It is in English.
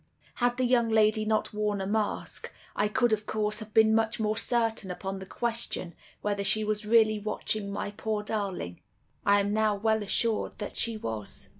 Had the young lady not worn a mask, I could, of course, have been much more certain upon the question whether she was really watching my poor darling. I am now well assured that she was.